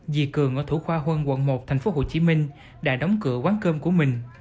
di cường ở thủ khoa huân quận một tp hcm đã đóng cửa quán cơm của mình